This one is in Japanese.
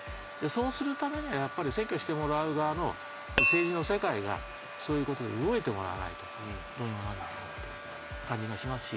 そうするためにはやっぱり選挙してもらう側の政治の世界がそういうことで動いてもらわないとどうにもなんないなって感じがしますし。